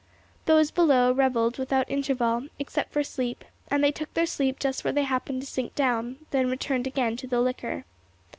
Those below revelled without interval, except for sleep; and they took their sleep just where they happened to sink down, then returned again to the liquor.